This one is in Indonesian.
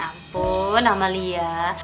ya ampun ama liat